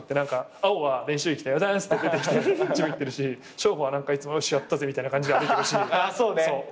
碧は「おざっす」って出てきてジム行ってるし彰悟はいつも「よしやったぜ」みたいな感じで歩いてるし。